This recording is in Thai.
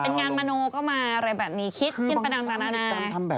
คุณค่ะ